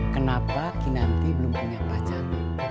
kenapa kinanti belum punya pacar